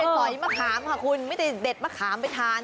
ไม่ใช่สอยมะขามค่ะคุณไม่ใช่เด็ดมะขามไปทาน